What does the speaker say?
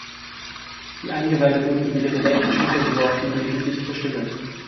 Die Eingeweide wurden über ihre rechte Schulter geworfen und ihr Gesicht verstümmelt.